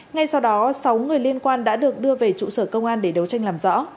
ngay sau đó sáu người liên quan đã được đưa về trụ sở công an để đấu tranh làm rõ